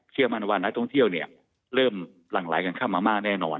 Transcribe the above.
เชื่อมั่นว่านักท่องเที่ยวเนี่ยเริ่มหลั่งไหลกันเข้ามามากแน่นอน